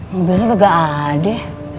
mobilnya juga gak ada